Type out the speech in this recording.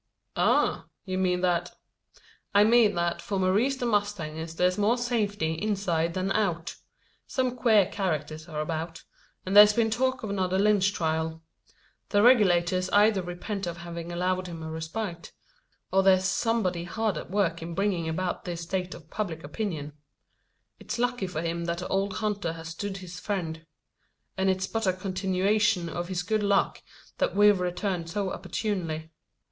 "Ah! you mean, that " "I mean that for Maurice the Mustanger there's more safety inside than out. Some queer characters are about; and there's been talk of another Lynch trial. The Regulators either repent of having allowed him a respite; or there's somebody hard at work in bringing about this state of public opinion. It's lucky for him that the old hunter has stood his friend; and it's but a continuation of his good luck that we've returned so opportunely.